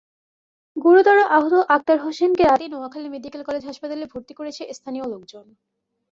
গুরুতর আহত আক্তার হোসেনকে রাতেই নোয়াখালী মেডিকেল কলেজ হাসপাতালে ভর্তি করেছে স্থানীয় লোকজন।